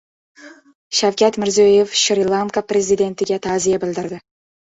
Shavkat Mirziyoyev Shri-Lanka Prezidentiga ta’ziya bildirdi